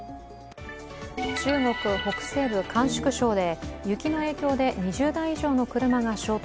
中国北西部の甘粛省で雪の影響で２０台以上の車が衝突